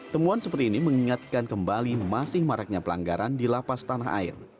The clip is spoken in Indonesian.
temuan seperti ini mengingatkan kembali masih maraknya pelanggaran di lapas tanah air